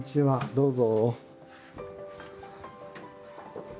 どうぞ。